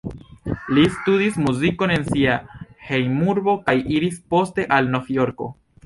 Li studis muzikon en sia hejmurbo kaj iris poste al Novjorko.